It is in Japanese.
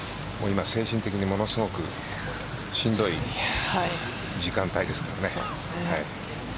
今精神的にものすごくしんどい時間帯ですからね。